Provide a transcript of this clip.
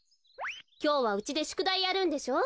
きょうはうちでしゅくだいやるんでしょ。